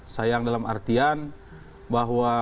sayang dalam artian bahwa